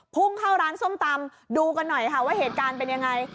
พุ่งเข้าร้านส้มตำดูกันหน่อยค่ะว่าเหตุการณ์เป็นยังไง